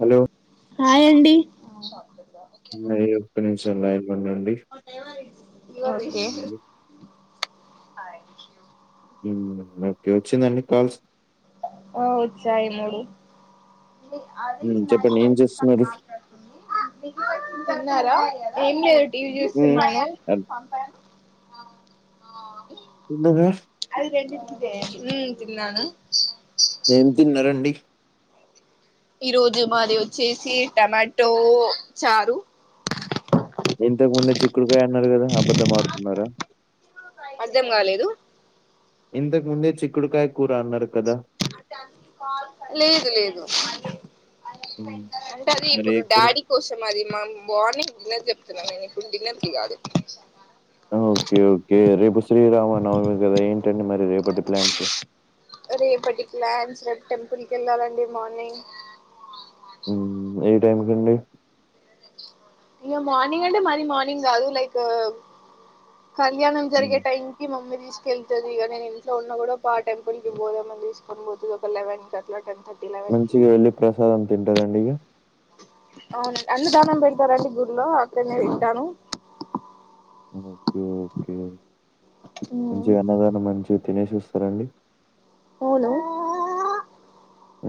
Hello hi అండి ఉన్నాయి. ఒక్క నిమిషం లైన్‌లో ఉండండి. ఓకే హ్మ్. ఉ ఓకే వచ్చిందెన్నీ కాల్స్ ఆ వచ్చాయి మూడు అది హ్మ్. నై చెప్పండి ఏం చేస్తున్నారు? మాట్లాడుతుందిన్నారా [unintelligible] ఏం లేదు టీవీ హ్మ్. చూస్తున్నాను అన్ తిన్నరా ఉ తిన్నాను ఏం తిన్నరండి ఈరోజు మాది వచ్చేసి టమాటో చారు ఇంతకుముందే చిక్కుడుకాయ అన్నారు కదా అబద్దం ఆడుతున్నారా అర్ధం కాలేదు ఇంతకు ముందే చిక్కుడుకాయ కూర అన్నారు కదా లేదు లేదు హ్మ్. అంటే అది మరి ఏ ఇప్పుడు కూర? డాడీ కోసం అది మార్నింగ్ తిన్నది చెప్ ప్పుంటన్న కాదు [unintelligible] ఓకే ఓకే రేపు శ్రీరామ నవమి గదా ఏంటి రేపటి ప్లాన్స్ టెంపుల్ కి వెళ్ళాలండి మార్నింగ్ ఉ ఏ టైంకండి ఇంక మార్నింగ్ అంటే మరీ మార్నింగ్ కాదు లైక్ కళ్యాణం జరిగే హ్మ్. టైం కి మమ్మీ తీసుకెళ్తది ఇక నేను ఇంట్లో ఉన్న కూడా పా ఆ టెంపుల్కిి పోదామని తీసుకొని పోతది ఒక లెవెన్ కట్లా టెన్థర్టీ మంచిగా వెళ్ళి ప్రసాదం తింటారండి ఇక అవునండి అన్న దానం పెడతారండి గుళ్ళో అక్కడనేే తింటాను ఓకే ఓకే మంచిగ అన్నదాన మంచి తినేసి వస్తారాండి ఎవలు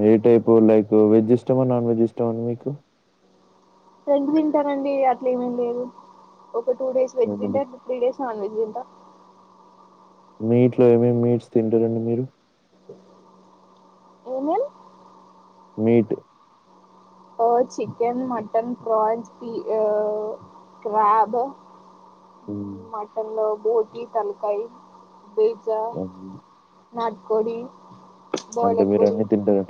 ఏ టైపు లైక్ వెజ్ ఇస్టమా నాన్ వెజ్ ఇస్టమా మీకు రెండ్ తింటనండి అట్లే ఏమేమి లేదు ఒక టూ డేస్ వెజ లేదండి. తింటాం త్రీ డేస్ నాన్ వెజ్ తింటాం మీట్ లో ఏమేమి మీట్స్ తింటారండి మీరు ఏమేం మీట్ ఆ చికెన్ మటన్ ప్రాన్స్ క్రాబ్ హ్మ్. మటన్ లొ బోటి తలకాయి బీజ అన్నీ. నాట్కోడి అంటే మీరు అన్ని తింటారు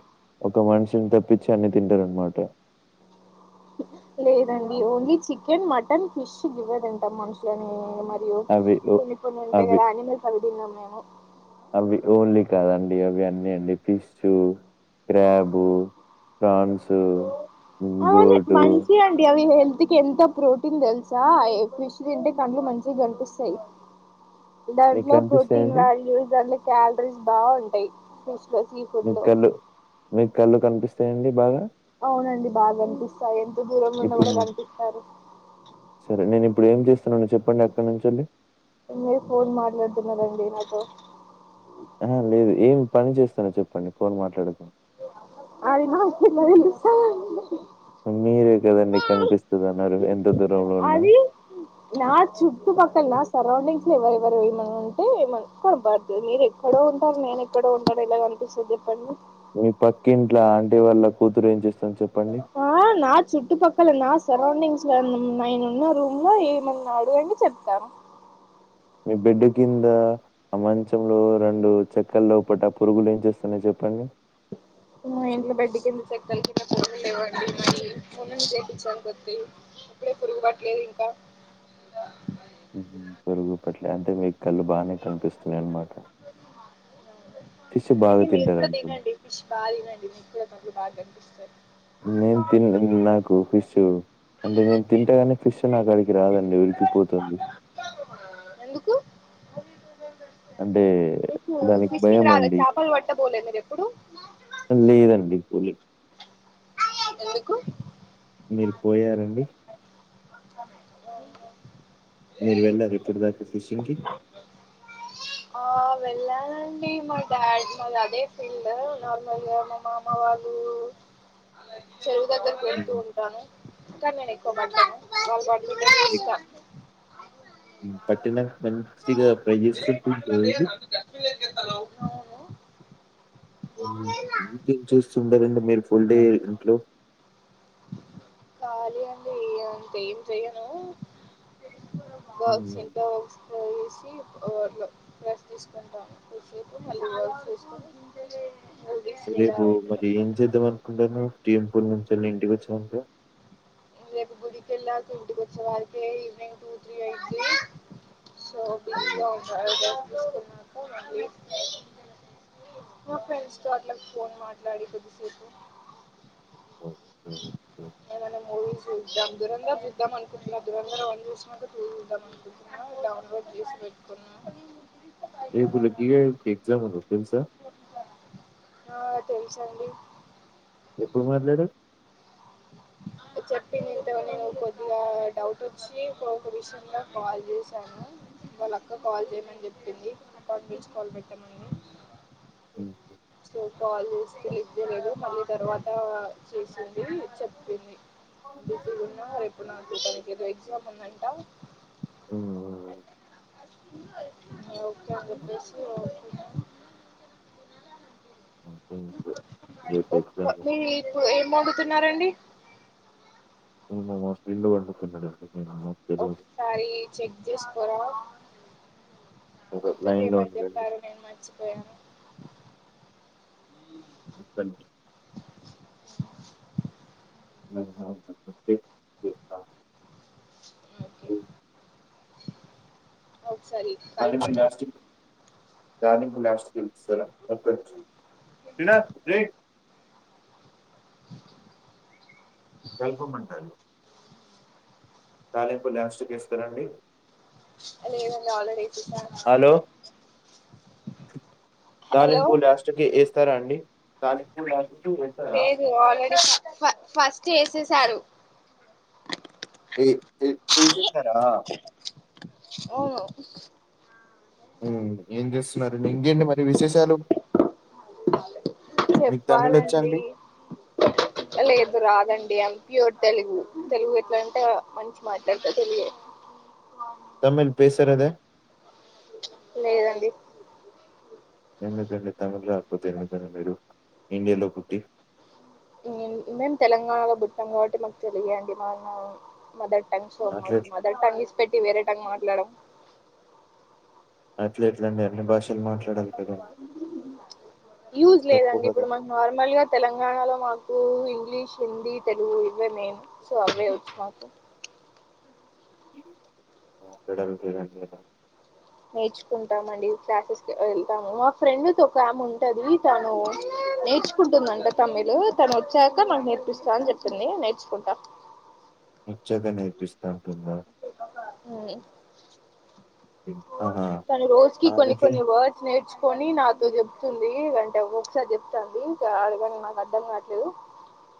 ఒక మనిషిని తప్పిించి అన్ని తింటార అనమాట లేదండి ఓన్లీ చికెన్ మటన్ ఫిష్ గివే తింటాం మనుషులనే మరియు అవి ఓ కొన్ని కొన్ని ఉంటయి అవి గదా అనిమల్స్ అవి తినం మేము అవి ఓన్లీ కాదండి అవి అన్నీ అండి ఫిష్ క్రాబ్ ప్రాన్స్ అవన్ని మంచివి అండి అవి హెల్త్ హెల్త్ కి ఎంత ప్రోటీన్ తెలుసా ఫిష్ తింటే కండ్లు మంచిగా కనిపిస్తాయి మీకు దాంట్లో ప్రోటీన్ కనిపిస్తాయండి? వాల్యూస్ దాంట్లో క్యాలరీస్ బాగుంటాయి లో సీ ఫుడ్ మీకు లో కళ్ళు మీకు కళ్ళు కనిపిస్తాయండి బాగా అవునండి బాగా కనిపిస్తాయి ఎంత దూరంలో ఉన్నా ఇప్పుడు కూడా కనిపిస్తారు సరే నేనిప్పుడు ఏం చేస్తున్నానో చెప్పండి అక్కడి నుంచెల్లి? మీరు ఫోన్ మాట్లాడుతున్నరండినాతో ఆ లేదు ఏం పని చేస్తానో చెప్పండి ఫోన్ మాట్లాడుతు అది మా కెలా తెలుస్తదండి మీరే కదండి కనిపిస్తుదన్నారు ఎంత దూరంలో ఉన్నా. అది నా చుట్పక్కల నా సరౌండింగ్ ఎవరు ఎవరు ఏమన్నా ఉంటే ఏమ కొనపడుతుంది మీరు ఎక్కడో ఉంటారు నేను ఎక్కడో ఉంటారు ఇలా అనిపిస్తుంది చెప్పండి మీ పక్కింట్ల అంటి వాళ్ళ కూతురు ఏం చేస్త ఆ నా చుట్పక్కల నా సరౌండింగ్స్ లో నైను ఉన్న రూమ్ లో ఏమన్నా అడుగండి చెప్తను మీ బెడ్డు కింద ఆ మంచంలో రెండు చెక్కల్లోపట ఆ పురుగులు ఏం చేస్తాన్నాయ చెప్పండి ఇంట్లో బడ్డి కింది చెక్క ఉండేవండి మీ మన్నం చేయిపంచాను కొద్ది ఇప్పుడే పురుగువట్లేదు ఇంకా [inaudible] పొరుగు పట్ల అంటే మీకు కళ్ళు బానే కనిపిస్తున్నాయి అన్నమాట వు అందుకే మీరు కూడా తినండి ఫిష్ బాగా తినండి మీకు కూడా బాగా కనిపిస్తాంది నేను తి నాకు ఫిష్ అంటే నేను తింటగానే ఫిష్ నకడికి రాదండి ఉరికిపోతుంది ఎందుకు అంటే మీకు దానికి ఫిషింగ్ భయం రాదా అండి చేపలు పట్టబోలే మీరు ఎప్పుడు అ లేదండిి ఎందుకు మీరు పోయారండి [inaudible] మీరు వెళ్ళారు ఇప్పుటి దాకా ఫిషింగ్ కి ఆ వెళ్ళానండి మా డాడీనళ్ళ అదే ఫీల్డ్ నార్మల్ గా మా మామ వాళ్ళు చెరువు దగ్గరకు వెళ్తూ హ్మ్. ఉంటాను కానీ నెన్ ఎక్కువ పట్టింపు వాళ్ళు పడ్తుంటే చూస్తా పట్టణం మంచించిగా ప్రజస్ జ అవు హు ఇంకేం చేస్తుంటారండి మీరు ఫుల్ డే ఇంట్లో కాలి అండి ఏం చెయను హ్మ్. వర్క్స్ ఇట్ వర్క్ వేసి వ అట్లా రెస్ట్ తీసుకుంటాను కొదిసేపు మళ్ళీ వర్క్ చేసుకొని మూవీస్ లేదా రేపు మరి ఏం చేద్దాం అనుకుంటావ్ టెంపుల్ నుంచి కేళ్ళీ ఇంటికి వచ్చినాక రేపు గుడికి కెల్లాక ఇంటికి వచ్చే వారికిే ఈవినింగ్ టూ త్రీ అయిద్ధి సో [unintelligible] మా ఫ్రెండ్స్ తో అట్లా ఫోన్ మాట్లాడి కొద్దిసేపు ఏమన్నా మూవీ చూద్దాం దురంరం చూద్దాం అనుకుంటున్నా దూరంధం వన్ చూసినక టూ చూద్దాం అనుకుంటున్నా డౌన్లోడ్ చేసి పెట్టుకున్నా రేపు లక్కీ గాడికి ఎగ్జామ్ ఉంది తెలుసా? తెల్సండి ఇప్పుడు మాట్లాడవ్ [inaudible] చెప్పింది ఇంతవని కొద్దిగా డౌట్ వచ్చి ఒక్క విషయంలో కాల్ చేశాను వాళ్ళ అక్క కాల్ చేయమని చెప్పింది కాన్ఫరెన్స్ నుంచి కాల్ పెట్టాము మేను ఉమ్. సో కాల్ చేసి లిఫ్ట్ చేయలేదు మళ్ళీ తర్వాత చేసింది చెప్పింది ఉన్నా రేపు నాకు తనకి ఏదో ఎగ్జామ్ ఉందంటా [inaudible] ఉమ్, ఒకే అని చెప్పేసి ఒకే [inaudible] ఉమ్, ఉమ్, ఉమ్. రేపు [inaudible] ఎగ్జామ్ ఉంది. ఒక్కమీ ఏం వండుతున్నారు అండి నేను మా ఫ్రెండ్ వండుతున్నాడేమో ఒకసారి చెక్ చేసుకోరా గుర్తు లైన్‌లో చేమని ఉండండి. చెప్పారు నేను మర్చిపోయాను ఇక్క నుండి [inaudible] నాకు జాబ్ రాకపోతే చెప్తాగు ఓకే [inaudible] సరి కలపండి [unintelligible] చిన్న ప్లేట్ [inaudible] వెళ్ళిపోమంటారు తాలింపు లాస్టుకు ఏస్తారండి లేదండీ ఆల్రెడీ ఏసెసామ్ హలో తాలింపు లాస్ట్ కి వేస్తారా అండి తాలింపు నాకు లేదు ఆల్రెడీ ఫ ఫ ఫస్ట్ ఏసేసారు ఏ తె ఎసేసినార ఓ ఆ హు ఏం చేస్తున్నారండీ ఇంకేంటి మరి విశేషాలు మీకు తమిళ్ వచ్చా చెప్పాలండి అండి లేదు రాదండి అం ప్యూర్ తెలుగు తెలుగు ఎట్లా అంటే మంచి మాట్లాడత తెలుగే తమిళ్ పెసరదే ప్చ్ లేదండి ఎందుకండి తమిళ్ రాకపోతే ఎందుకండీ మీరు ఇండియలో పుట్టి మేం మేం తెలంగాణలో పుట్టాం కాబట్టి మాకు తెలుగే అండి మనా మదర్ టంగ్ అండ్ సో అట్లే మదర్ టంగ్ ఇడిచిపెట్టి వేరే టంగ్ మాట్లాడం అట్లెట్ల అండి అన్ని భాషలు మాట్లాడాలి కదా యూజ్ తప్పు లేదండి ఇప్పుడు మాకూ నార్మల్ గా తెలంగాణలో మాకు ఇంగ్లీష్ హిందీ తెలుగు ఇవే మెయిన్ సో అవే వచ్చు మాకు [unintelligible] రాపియడానికే అండీ ఎల నేర్చుకుంటామండి క్లాసెస్ కి వెళ్తాము మా ఫ్రెండ్ ఒకముంటది తను నేర్చుకుంటుందంట తమిలు తను వచ్చాక నాకు నేర్పిస్తా అని చెప్పింది నేర్చుకుంటా ఒచ్చాకా నేర్పిస్తా అంటుందా ఆహా! తను రోజుకి కొన్ని ఆమెకే కొన్ని వార్డ్స్ నేర్చు కొని నాతో చెప్తుంది అంటే ఒక్కోకసారి చెప్తాంది ఇంకా అర్ధం నాకు అర్ధం కాట్లేదు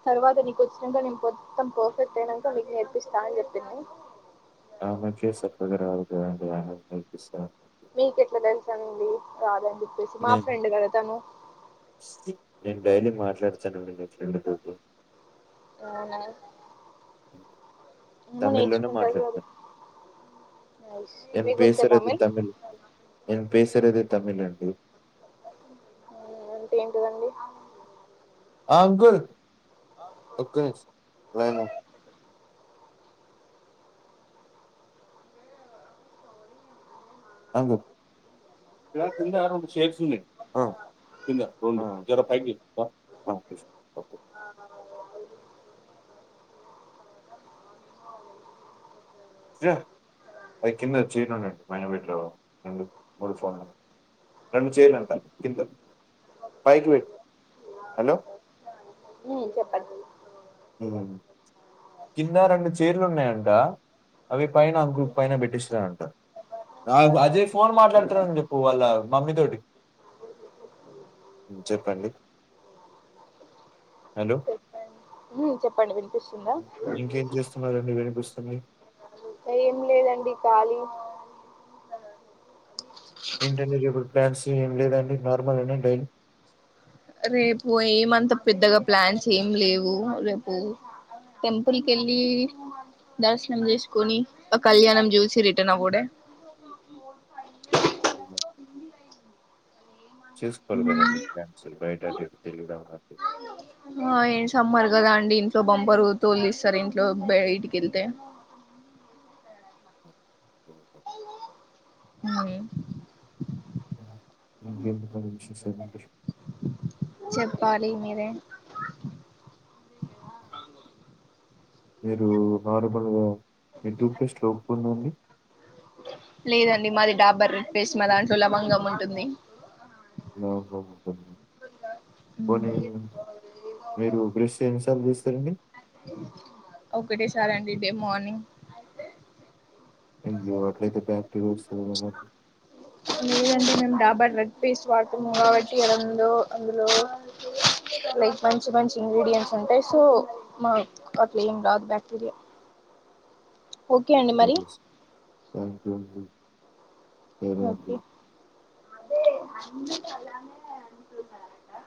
తర్వాత నీకు వచ్చినాక నేను మొత్తం పర్ఫెక్ట్ అయినాక నీకు నేర్పిస్తా అని చెప్పింది ఆమేకే సక్కగరాదు కదండీ ఆమే మీకు నేర్పిస్తద రాదండి నేను నేను డైలీ మాట్లాడుతాను నేను అవునా ఏమో తమిళ్ లోనే నేర్చుకుంటారు కదా మాట్లాడుతాను మీకు వచ్చా ఎంపెసరదే తమిళ్ ఎంపెసరదే తమిల్ అండి ఉమ్ అంటే ఏంటిదండి ఆ అంకుల్ ఒక్క నిమిషం లైన్ లో ఉండు అంగు ఇక్కడ కుందారం షేర్స్ ఉన్నాయి ఇందా రోనా జరా పైకి [unintelligible] ఆ ఆమె [unintelligible] య అయికిింద చైర్ లో ఉన్నయి పైనా పెట్ట లేవ ఎందుకు [unintelligible] రెండు చైర్ అంటా కింద పైకి పెట్టు హలో ఉమ్ చెప్పండి ఊ కింద రెండు చైర్ లు ఉన్నాయంట అవి పైన అంకుల్ పైన పెట్టిస్తాడంటా. ఆగు అజయ్ ఫోన్ మాట్లాడుతున్నాడు అని చెప్పు వాళ్ళ మమ్మీ తోటి. ఉమ్ చెప్పండి హలో. చెప్పండి ఉమ్ చెప్పండి వినిపిస్తుందా ఇంకేం చేస్తున్నారండి వినిపిస్తుంది. ఏంలేదండి ఖాళీ. ఇంటెలిజబుల్ ప్లాన్స్ ఏం లేదండి నార్మల్ ఏనా డైన్. రేపు ఏమంతా పెద్దగా ప్లాన్స్ ఏమి లేవు రేపు. టెంపుల్ కెళ్ళి. దర్శనం చేసుకొని ఆ కళ్యాణం చూసి రిటర్న్ అవ్వుడే. అవునా. చూసుకోవాలి కదండి ప్లాన్స్ బయట అటుఇటు తిరిగిరావడానికి. ఆహ్ ఏం సమ్మరో కదా అండి. ఇంట్లో బంపరు తోలేసి. సరే ఇంట్లో బయటికి వేళ్తే. ఉమ్ ఆహ్. ఇంకా ఏంటి మరి విశేషాలు. చెప్పాలి మీరే. [inaudible] మీరు నార్మల్గా మీ టూత్పేస్ట్ లో ఉప్పుదండి. లేదండి మాది డాబర్ రెడ్ పేస్ట్ మా దాంట్లో లవంగం ఉంటుంది. ఓహో పోనీ. మీరు బ్రెష్ ఎన్నిసార్లు చేస్తారండి. ఒకటే సారి అండి డే మార్నింగ్. అట్లయితే బ్యాక్టిరియా వస్తది కదాండి. లేదండి మేము డాబర్ రెడ్ పేస్ట్ వాడతున్నాము కాబట్టి ఎలాంగో అందులో. లైక్ ఆహ్ మంచి మంచి ఇంగ్రీడియంట్స్ ఉంటాయి సో మాక్ అట్లా ఏం రాదు బ్యాక్టీరియా. ఓకే అండి మరి. థ్యాంక్ యూ అండి సరే అండి. అదే అన్ని [unintelligible] చూసారంట.